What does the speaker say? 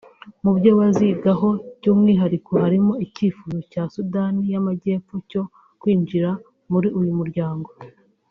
Mu byo bazigaho by’umwihariko harimo icyifuzo cya Sudani y’Amajyepfo cyo kwinjira muri uyu muryango